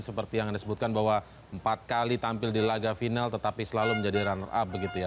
seperti yang anda sebutkan bahwa empat kali tampil di laga final tetapi selalu menjadi runner up begitu ya